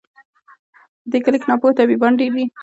په دې کلي کي ناپوه طبیبان ډیر دي